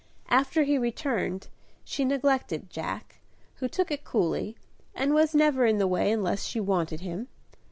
After he returned, she neglected Jack, who took it coolly, and was never in the way unless she wanted him.